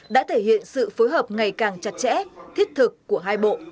đã thể hiện sự phối hợp ngày càng chặt chẽ thiết thực của hai bộ